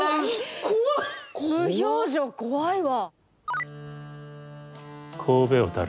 無表情怖いわ。